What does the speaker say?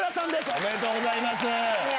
ありがとうございます。